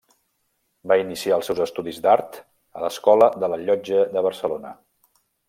Va iniciar els seus estudis d'art a l'Escola de la Llotja de Barcelona.